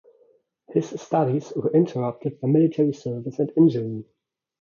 His studies were interrupted by military service and injury.